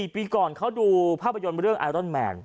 ปีก่อนเขาดูภาพยนตร์เรื่องไอรอนแมน